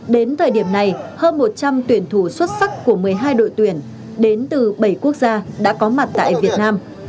đến thời điểm này hơn một trăm linh tuyển thủ xuất sắc của một mươi hai đội tuyển đến từ bảy quốc gia đã có mặt tại việt nam